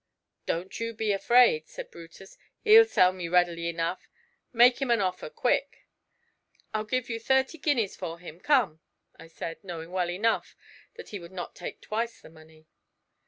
'Don't you be afraid,' said Brutus, 'he'll sell me readily enough: make him an offer, quick!' 'I'll give you thirty guineas for him, come!' I said, knowing well enough that he would not take twice the money.